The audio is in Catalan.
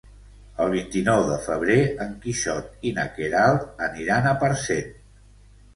El vint-i-nou de febrer en Quixot i na Queralt aniran a Parcent.